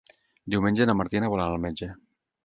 Diumenge na Martina vol anar al metge.